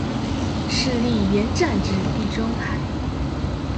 勢力伸展至地中海